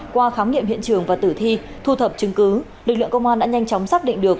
qua khám nghiệm hiện trường và tử thi thu thập chứng cứ lực lượng công an đã nhanh chóng xác định được